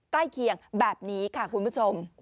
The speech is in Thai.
ใกล้เคียงแบบนี้ค่ะคุณผู้ชม